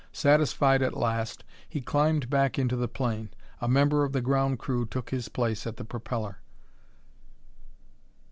Satisfied at last, he climbed back into the plane. A member of the ground crew took his place at the propeller.